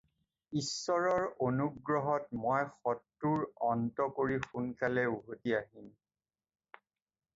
ঈশ্বৰৰ অনুগ্ৰহত মই শত্ৰুৰ অন্ত কৰি সোনকালে উভতি আহিম।